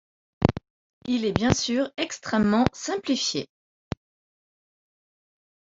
Il est bien sûr extrêmement simplifié.